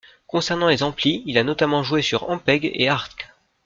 Concernant les amplis, il a notamment joué sur Ampeg et Hartke.